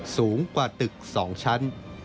สูงกว่าตึก๒ชั้น